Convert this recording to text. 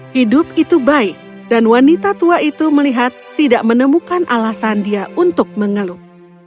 hidup itu baik dan wanita tua itu melihat tidak menemukan alasan dia untuk mengeluh